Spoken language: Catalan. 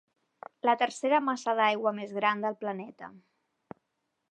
La tercera massa d'aigua més gran del planeta.